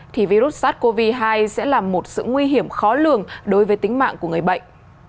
thì virus sars cov hai sẽ là một sự nguy hiểm khó lường đối với tính mạng của người bệnh